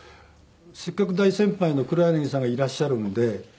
せっかく大先輩の黒柳さんがいらっしゃるんで。